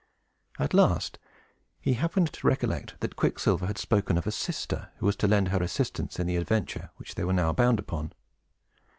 At last, he happened to recollect that Quicksilver had spoken of a sister, who was to lend her assistance in the adventure which they were now bound upon.